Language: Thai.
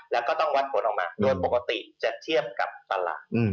แล้วก็ต้องวัดผลออกมาโดยปกติจะเทียบกับตลาด